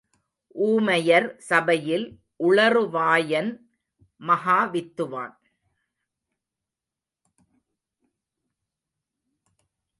ஊமையர் சபையில் உளறு வாயன் மகாவித்துவான்.